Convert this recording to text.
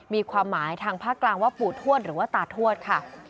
มีความหมายทางภาคกลางว่าปู่ทวดหรือว่าตาทวดค่ะ